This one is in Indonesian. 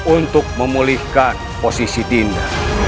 untuk memulihkan posisi dinda